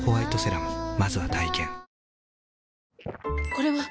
これはっ！